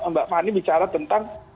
mbak fahani bicara tentang